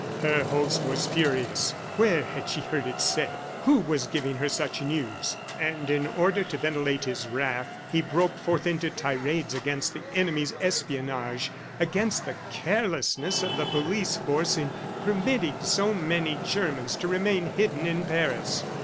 Her host was furious. Where had she heard it said? Who was giving her such news? ... And in order to ventilate his wrath, he broke forth into tirades against the enemy's espionage, against the carelessness of the police force in permitting so many Germans to remain hidden in Paris.